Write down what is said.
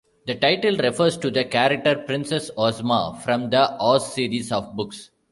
The title refers to the character Princess Ozma from the Oz series of books.